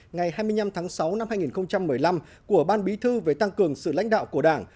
ngày hai mươi năm tháng sáu năm hai nghìn một mươi năm của ban bí thư về tăng cường sự lãnh đạo của đảng